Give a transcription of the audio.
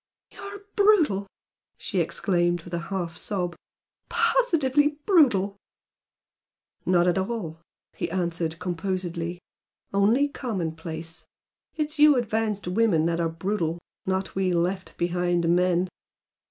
"You are brutal!" she exclaimed, with a half sob "Positively brutal!" "Not at all!" he answered, composedly "Only commonplace. It is you advanced women that are brutal, not we left behind men.